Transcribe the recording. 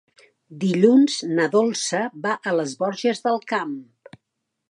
Dilluns na Dolça va a les Borges del Camp.